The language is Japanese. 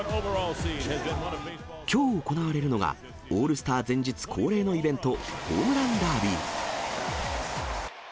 きょう行われるのが、オールスター前日恒例のイベント、ホームランダービー。